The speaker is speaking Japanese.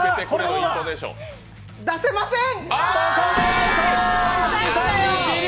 出せません！